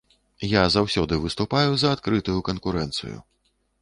Я заўсёды выступаю за адкрытую канкурэнцыю.